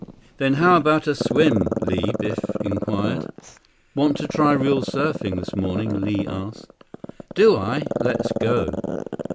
"Then how about a swim, Li?" Biff inquired. "Want to try real surfing this morning?" Li asked. 53 "Do I! Let's go."